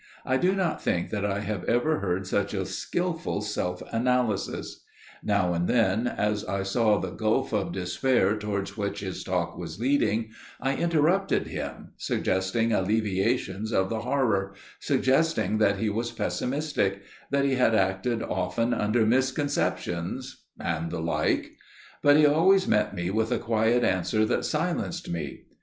I do not think that I have ever heard such a skilful self analysis. Now and then, as I saw the gulf of despair towards which his talk was leading, I interrupted him, suggesting alleviations of the horror––suggesting that he was pessimistic––that he had acted often under misconceptions––and the like; but he always met me with a quiet answer that silenced me.